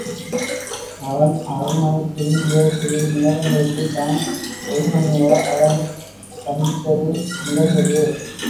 அவன் அரண்மனை திரும்பிய சிறிது நேரங்கழித்துத் தான் உருமண்ணுவா அவனைச் சந்தித்தது நிகழ்ந்தது.